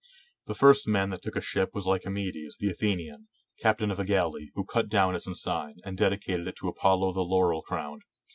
The first man that took a ship was Lycomedes the Athenian, captain of a galley, who cut down its ensign, and dedi cated it to Apollo the Laurel crowned.